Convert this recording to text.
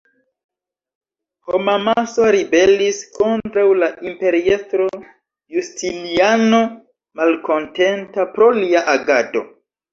Homamaso ribelis kontraŭ la imperiestro Justiniano, malkontenta pro lia agado.